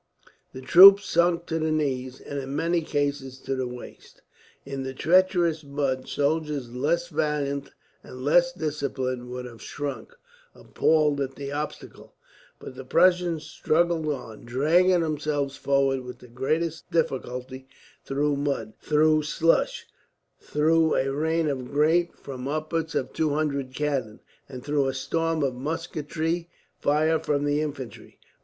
The troops sunk to the knee, and in many cases to the waist, in the treacherous mud. Soldiers less valiant and less disciplined would have shrunk, appalled at the obstacle; but the Prussians struggled on, dragging themselves forward with the greatest difficulty through mud, through slush, through a rain of grape from upwards of two hundred cannon, and through a storm of musketry fire from the infantry.